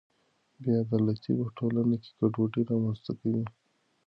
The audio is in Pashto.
بې عدالتي په ټولنه کې ګډوډي رامنځته کوي.